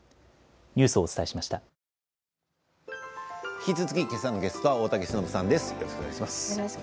引き続き、けさのゲストは大竹しのぶさんです。